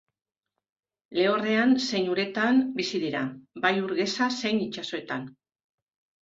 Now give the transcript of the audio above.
Lehorrean zein uretan bizi dira, bai ur geza zein itsasoetan.